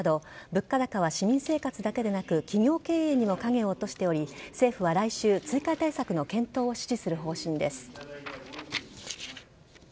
物価高は市民生活だけでなく企業経営にも影を落としており政府は来週追加対策の検討を指示する方針です。